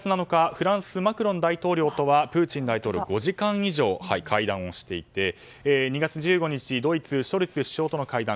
フランス、マクロン大統領とはプーチン大統領は５時間以上会談をしていて２月１５日、ドイツショルツ首相との会談